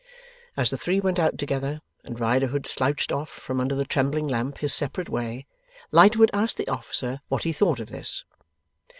As the three went out together, and Riderhood slouched off from under the trembling lamp his separate way, Lightwood asked the officer what he thought of this?